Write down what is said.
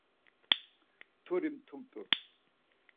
Mturi mtumt̆u.